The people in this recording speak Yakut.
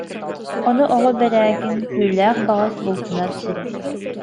Ону Оҕо Бэрээкин: «Түүлээх баҕас бултанар сирэ»